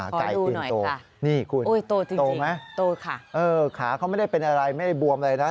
ขอดูหน่อยค่ะโตจริงโตไหมโตค่ะเออขาเขาไม่ได้เป็นอะไรไม่ได้บวมเลยนะ